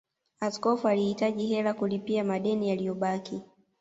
Askofu alihitaji hela kulipia madeni yaliyobaki